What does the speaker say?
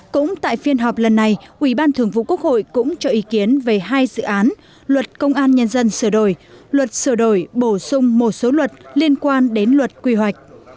cũng tại phiên họp lần này ủy ban thường vụ quốc hội cũng cho ý kiến về hai dự án luật công an nhân dân sửa đổi luật sửa đổi bổ sung một số luật liên quan đến luật quy hoạch